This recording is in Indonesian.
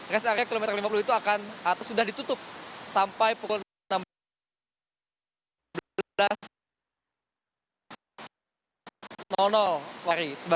rest area kmn itu sudah ditutup sampai pukul enam belas hari